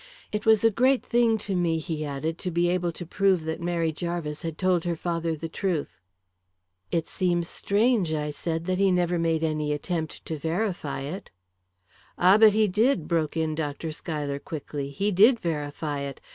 "It was a great thing to me," he added, "to be able to prove that Mary Jarvis had told her father the truth." "It seems strange," I said, "that he never made any attempt to verify it." "Ah, but he did," broke in Dr. Schuyler quickly. "He did verify it.